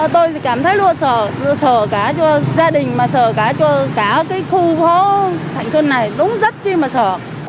tôi cảm thấy luôn sợ sợ cả cho gia đình mà sợ cả cho cả cái khu thạnh xuân này đúng rất chứ mà sợ